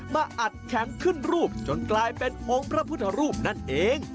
มาอัดแข็งขึ้นรูปจนกลายเป็นองค์พระพุทธรูปนั่นเอง